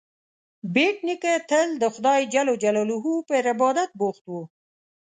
بېټ نیکه تل د خدای جل جلاله پر عبادت بوخت و.